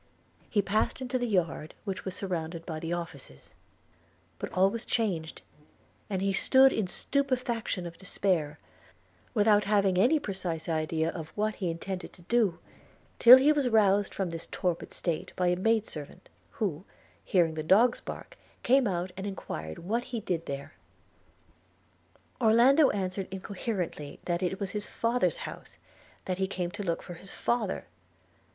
He passed into the yard, which was surrounded by the offices; but all was changed; and he stood in the stupefaction of despair, without having any precise idea of what he intended to do, till he was roused from this torpid state by a maid servant, who, hearing the dogs bark, came out and enquired what he did there. Orlando answered incoherently that it was his father's house – that he came to look for his father.